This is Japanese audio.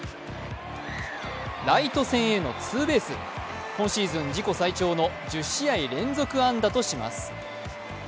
ライト線へのツーベース今シーズン自己最長の１０試合連続安打とします。